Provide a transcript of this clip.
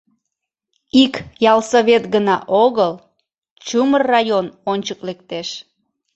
Ик ялсовет гына огыл, чумыр район ончык лектеш.